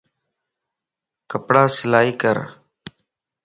ڪپڙا سلائي ڪر